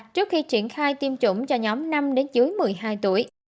trước khi triển khai tiêm chủng cho nhóm năm đến dưới một mươi hai tuổi